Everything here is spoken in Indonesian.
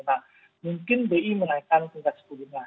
nah mungkin bi menaikkan tingkat suku bunga